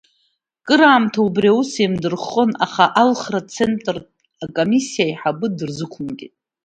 Акыр аамҭа убри аус еим-дырххон, аха Алхратә Центртә Комиссиа аиҳабы дыр-зықәымгеит.